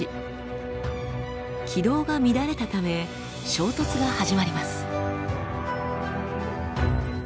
軌道が乱れたため衝突が始まります。